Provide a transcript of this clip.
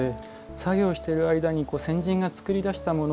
作業している間に先人が作り出したもの